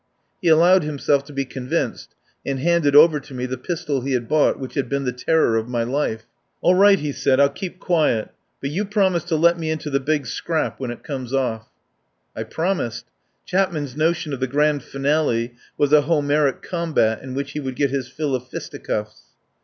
He allowed himself to be convinced, and handed over to me the pistol he had bought, which had been the terror of my life. "All right," he said, "I'll keep quiet. But you promise to let me into the big scrap when it comes off." I promised. Chapman's notion of the grand finale was a Homeric combat in which he would get his fill of fisticuffs.